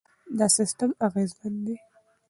دا سیستم اغېزمن دی.